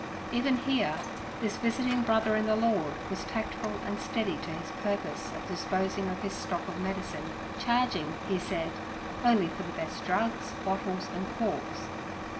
Even here this visiting brother in the Lord was tactful and steady to his purpose of disposing of his stock of medicine, charging, he said, only for the best drugs, bottles, and corks.